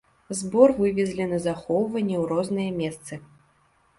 Збор вывезлі на захоўванне ў розныя месцы.